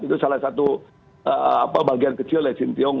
itu salah satu bagian kecil sintiung